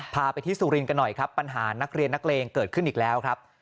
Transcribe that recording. พาไปที่สุรินทร์กันหน่อยครับปัญหานักเรียนนักเลงเกิดขึ้นอีกแล้วครับ